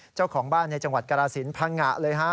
เจ้าของบ้านในจังหวัดกรสินพังงะเลยฮะ